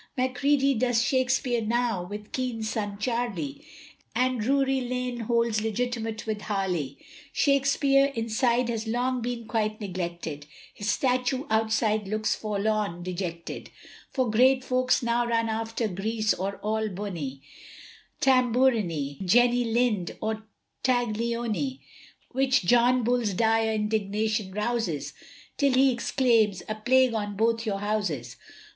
Macready does Shakespeare now, with Kean's son Charlie, And Drury Lane holds legitimate with Harley; Shakespeare inside has long been quite neglected, His statue outside looks forlorn, dejected; For great folks now run after Greas or All bony, Tamburini, Jenny Lind, or Taglioni, Which John Bull's dire indignation rouses, Till he exclaims, "A plague on both your houses."